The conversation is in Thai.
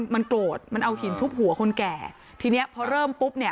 มันโกรธมันเอาหินทุบหัวคนแก่ทีเนี้ยพอเริ่มปุ๊บเนี่ย